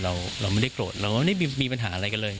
เราไม่ได้โกรธเราไม่ได้มีปัญหาอะไรกันเลย